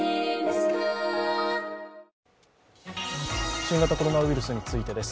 新型コロナウイルスについてです。